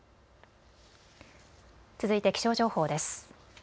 続いて気象情報です。